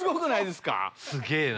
すげぇな。